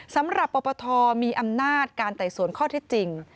สำหรับปปทมีอำนาจการไต่สวนข้อเท็จจริง